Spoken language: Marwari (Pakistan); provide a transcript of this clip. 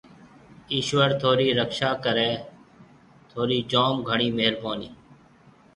ايشوَر ٿُونرِي رڪشا ڪريَ۔ ٿُونرِي جوم گھڻِي مهربونِي۔